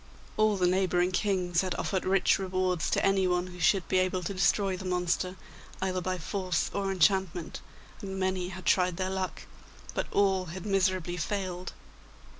All the neighbouring kings had offered rich rewards to anyone who should be able to destroy the monster, either by force or enchantment, and many had tried their luck, but all had miserably failed.